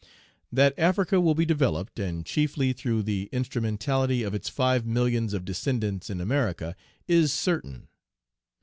That Africa will be developed, and chiefly through the instrumentality of its five millions of descendants in America, is certain.